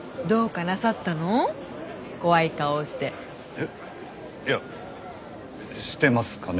えっいやしてますかね？